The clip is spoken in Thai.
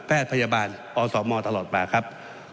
แพทย์พยาบาลอสมตลอดมาครับ